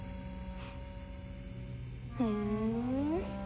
ふん。